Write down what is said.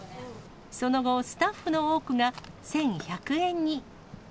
その後、スタッフの多くが１１００円に。